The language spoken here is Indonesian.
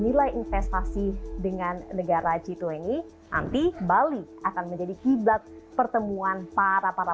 nilai investasi dengan negara g dua puluh nanti bali akan menjadi kiblat pertemuan para para